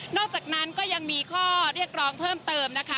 อกจากนั้นก็ยังมีข้อเรียกร้องเพิ่มเติมนะคะ